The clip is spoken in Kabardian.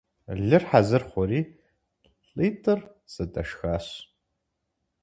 Лыр хьэзыр хъури, лӀитӀыр зэдэшхащ.